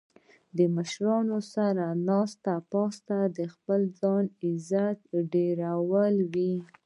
د مشرانو سره ناسته پاسته د خپل ځان عزت ډیرول وي